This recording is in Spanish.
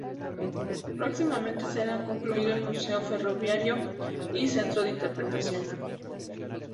Próximamente será concluido el Museo Ferroviario y Centro de Interpretación.